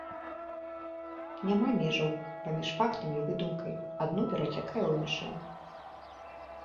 Няма межаў паміж фактам і выдумкай, адно перацякае ў іншае.